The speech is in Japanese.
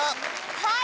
はい！